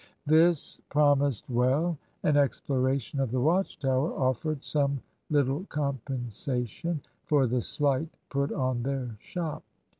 This promised well. An exploration of the Watch tower offered some little compensation for the slight put on their shop.